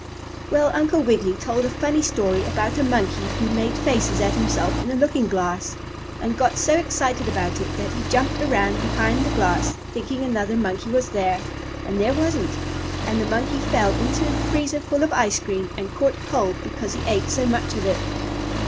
Then Uncle Wiggily told a funny story about a monkey who made faces at himself in a looking glass, and got so excited about it that he jumped around behind the glass, thinking another monkey was there, and there wasn't, and the monkey fell into the freezer full of ice cream and caught cold because he ate so much of it.